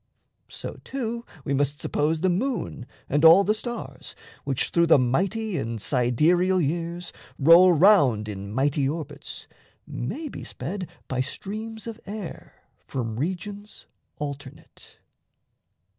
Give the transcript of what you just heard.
So, too, We must suppose the moon and all the stars, Which through the mighty and sidereal years Roll round in mighty orbits, may be sped By streams of air from regions alternate.